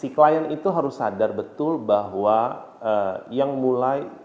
si klien itu harus sadar betul bahwa yang mulai